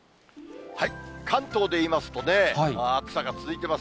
関東で言いますと、暑さが続いています。